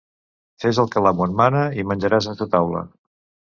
Fes el que l'amo et mana i menjaràs en sa taula.